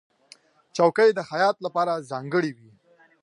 چوکۍ د خیاط لپاره ځانګړې وي.